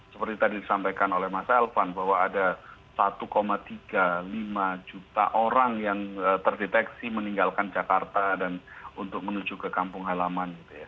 seperti tadi disampaikan oleh mas elvan bahwa ada satu tiga puluh lima juta orang yang terdeteksi meninggalkan jakarta dan untuk menuju ke kampung halaman